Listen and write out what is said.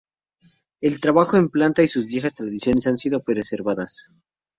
El trabajo en plata y sus viejas tradiciones han sido preservadas.